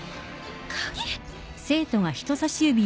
鍵？